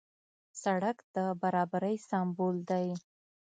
سړک د برابرۍ سمبول دی.